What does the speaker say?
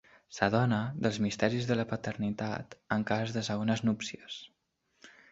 S'adona dels misteris de la paternitat en cas de segones núpcies.